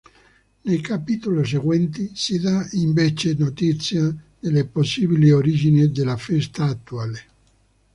Nei capitoli seguenti si dà invece notizia delle possibili origini della festa attuale.